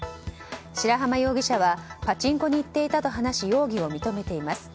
白濱容疑者はパチンコに行っていたと話し容疑を認めています。